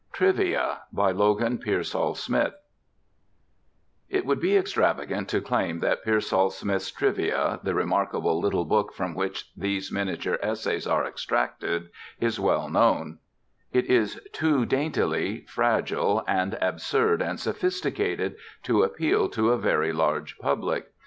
TRIVIA By LOGAN PEARSALL SMITH It would be extravagant to claim that Pearsall Smith's Trivia, the remarkable little book from which these miniature essays are extracted, is well known: it is too daintily, fragile and absurd and sophisticated to appeal to a very large public.